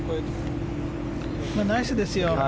ナイスですよ。